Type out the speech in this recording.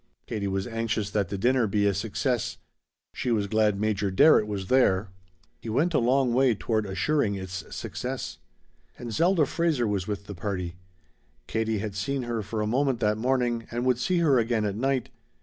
Katie was anxious that the dinner be a success. She was glad Major Darrett was there. He went a long way toward assuring its success. And Zelda Fraser was with the party. Katie had seen her for a moment that morning, and would see her again at night.